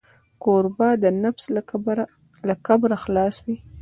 کوربه د نفس له کبره خلاص وي.